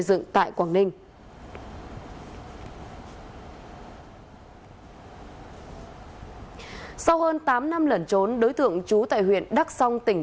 dựng tại quảng ninh ạ ừ ừ ừ ừ ừ ừ sau hơn tám năm lẩn trốn đối tượng chú tại huyện đắk song tỉnh